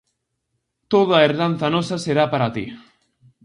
Toda a herdanza nosa será para ti.